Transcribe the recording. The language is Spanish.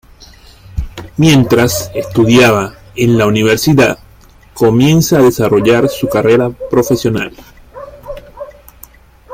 Mientras estudiaba en la Universidad, comienza a desarrollar su carrera profesional.